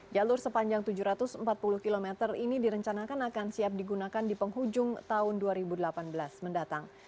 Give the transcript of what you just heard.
jalur sepanjang tujuh ratus empat puluh km ini direncanakan akan siap digunakan di penghujung tahun dua ribu delapan belas mendatang